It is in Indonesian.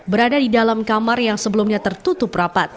berada di dalam kamar yang sebelumnya tertutup rapat